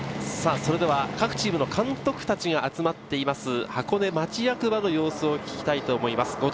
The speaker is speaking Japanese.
それでは各チームの監督たちが集まっています、箱根町役場の様子を聞きたいと思います。